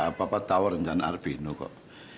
ya papa tau rencana arvino kok